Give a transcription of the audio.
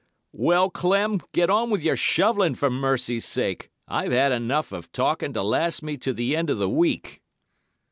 "'Well, Clem, get on with your shovelling for mercy's sake. I've had enough of talking to last me to the end of the week.